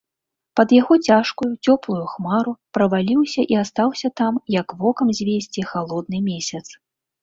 Пад яго цяжкую, цёплую хмару праваліўся і астаўся там, як вокам звесці, халодны месяц.